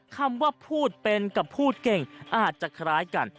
คำว่าพูดเป็นกับพูดเก่งอาจจะคล้ายกัน